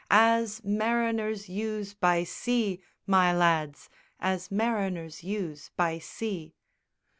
_ Chorus: _As mariners use by sea, My lads, As mariners use by sea!